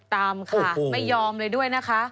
ตามค่ะไม่ยอมเลยด้วยนะคะ